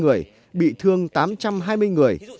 ba mươi người bị thương tám trăm hai mươi người